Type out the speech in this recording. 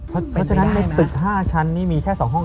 เพราะฉะนั้นในตึก๕ชั้นนี่มีแค่๒ห้อง